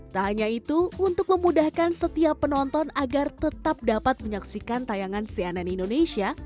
tak hanya itu untuk memudahkan setiap penonton agar tetap dapat menyaksikan tayangan cnn indonesia